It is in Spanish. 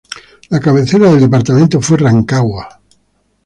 La cabecera del departamento fue Rancagua.